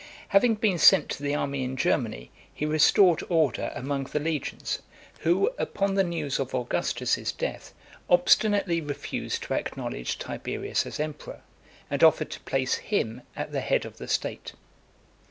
Having been sent to the army in Germany, he restored order among the legions, who, upon the news of Augustus's death, obstinately refused to acknowledge Tiberius as emperor , and offered to place him at the head of the state.